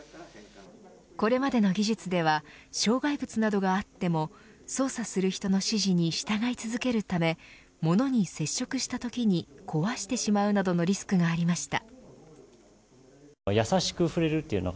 これまでの技術では障害物などがあっても操作する人の指示に従い続けるため物に接触したときに壊してしまうなどのリスクがありました。